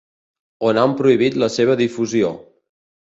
O n'han prohibit la seva difusió.